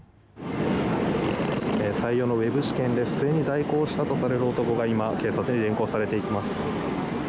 採用のウェブ試験で不正に代行したとされる男が今、警察に連行されていきます。